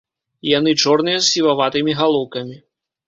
Яны чорныя з сіваватымі галоўкамі.